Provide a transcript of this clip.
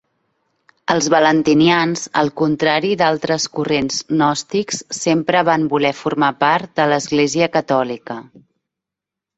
Els valentinians al contrari d'altres corrents gnòstics, sempre van voler formar part de l'Església catòlica.